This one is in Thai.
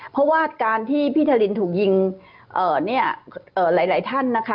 เพราะว่าการที่พี่ทารินถูกยิงเนี่ยหลายท่านนะคะ